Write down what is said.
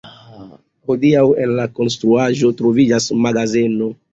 Hodiaŭ en la konstruaĵo troviĝas magazeno.